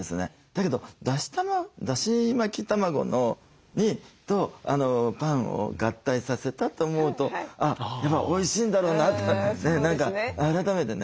だけどだし巻き卵とパンを合体させたと思うとあやっぱりおいしいんだろうなって何か改めてね。